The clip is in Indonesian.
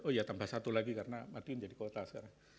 oh ya tambah satu lagi karena matiin jadi kota sekarang